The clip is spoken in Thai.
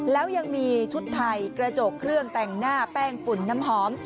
แล้วยังมีชุดไทยกระจกเครื่องแต่งหน้าแป้งฝุ่นน้ำหอม